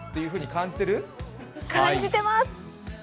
感じてます。